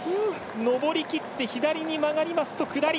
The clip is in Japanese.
上りきって左に曲がりますと下り。